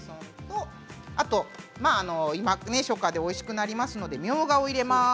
あと今、初夏でおいしくなりますのでみょうがを入れます。